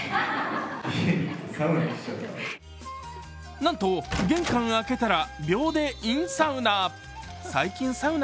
なんと玄関開けたら、秒でインサウナ。